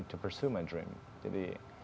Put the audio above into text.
saatnya saya memanfaatkan impian saya